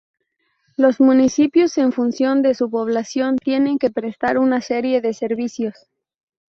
Los municipios, en función de su población, tienen que prestar una serie de servicios.